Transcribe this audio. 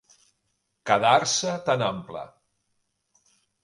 Quedar-se tan ample.